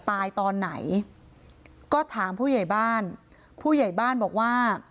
ตายตอนไหนก็ถามผู้ใหญ่บ้านผู้ใหญ่บ้านบอกว่า